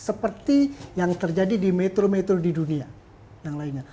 seperti yang terjadi di metro metro di dunia yang lainnya